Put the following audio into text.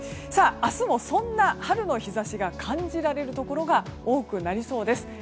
明日もそんな春の日差しが感じられるところが多くなりそうです。